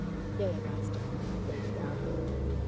"Yea master," quoth Ralph.